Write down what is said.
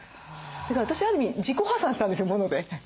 だから私はある意味自己破産したんですよモノで。